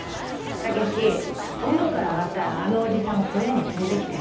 武志お風呂から上がったらあのおじさんを小屋に連れてきて。